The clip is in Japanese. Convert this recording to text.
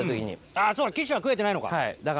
あっそうか岸は食えてないのか。